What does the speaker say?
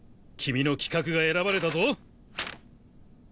君の企画が選ばれたぞ。